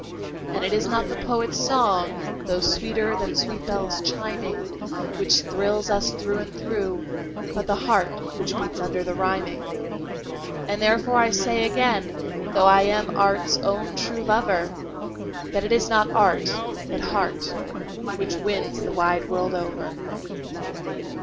And it is not the poet's song, though sweeter than sweet bells chiming, Which thrills us through and through, but the heart which beats under the rhyming. And therefore I say again, though I am art's own true lover, That it is not art, but heart, which wins the wide world over.